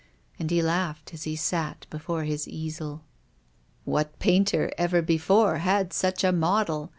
And he laughed as he sat before his easel. " What painter ever before had such a model